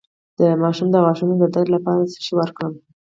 د ماشوم د غاښونو د درد لپاره څه شی ورکړم؟